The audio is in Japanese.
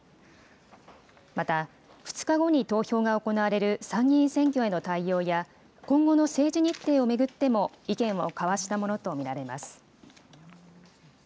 また、２日後に投票が行われる参議院選挙への対応や、今後の政治日程を巡っても、意見を交わしたものと見られます。